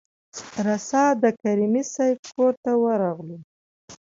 راسآ د کریمي صیب کورته ورغلو.